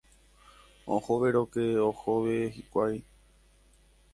Ohovérõke ohove hikuái.